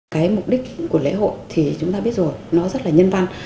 cái mục đích của lễ hội thì chúng ta biết rồi nó rất là nhân văn